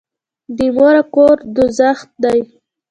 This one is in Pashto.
بي موره کور دوږخ دی.